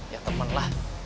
ya temen lah